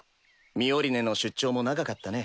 ミオリネの出張も長かったね。